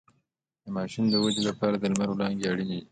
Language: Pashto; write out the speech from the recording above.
د ماشوم د ودې لپاره د لمر وړانګې اړینې دي